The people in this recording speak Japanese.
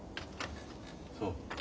そう。